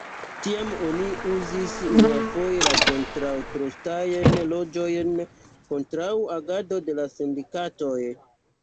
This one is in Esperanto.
Tiam oni uzis unuafoje la kontraŭ-trostajn leĝojn kontraŭ agado de la sindikatoj.